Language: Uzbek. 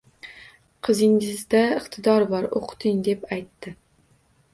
Qizingizda iqtidor bor, oʻqiting, deb aytdi